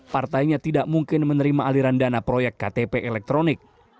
partainya tidak mungkin menerima aliran dana proyek ktp elektronik